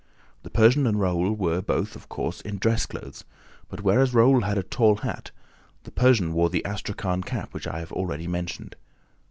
The Persian and Raoul were both, of course, in dress clothes; but, whereas Raoul had a tall hat, the Persian wore the astrakhan cap which I have already mentioned.